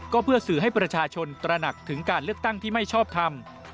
ก็เพื่อสื่อให้ประชาชนตระหนักถึงการเลือกตั้งที่ไม่ชอบทำ